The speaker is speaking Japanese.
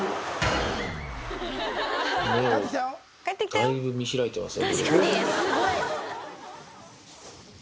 目をだいぶ見開いてますよ。